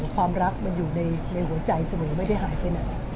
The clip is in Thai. ความรักมันอยู่ในหัวใจเสมอไม่ได้หายไปไหน